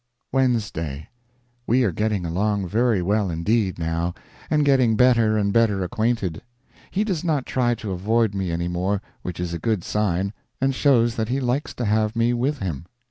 WEDNESDAY. We are getting along very well indeed, now, and getting better and better acquainted. He does not try to avoid me any more, which is a good sign, and shows that he likes to have me with him.